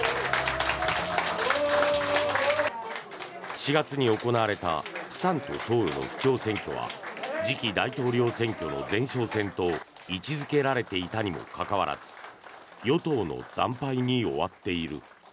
４月に行われた釜山とソウルの市長選挙は次期大統領選挙の前哨戦と位置付けられていたにもかかわらず与党の惨敗に終わっている。